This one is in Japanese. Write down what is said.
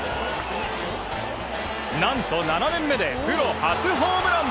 何と７年目でプロ初ホームラン。